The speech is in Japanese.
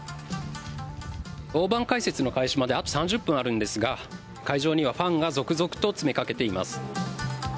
大盤解説会の開始まであと３０分あるんですが会場にはファンが続々と詰めかけています。